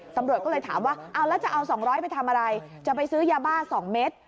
ตำรวจก็เลยถามว่าเอาแล้วจะเอา๒๐๐ไปทำอะไรจะไปซื้อยาบ้า๒เม็ด